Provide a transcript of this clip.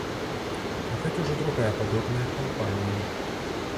Гэта ўжо другая падобная кампанія.